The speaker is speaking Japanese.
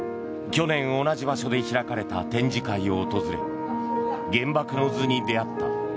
去年、同じ場所で開かれた展示会を訪れ「原爆の図」に出会った。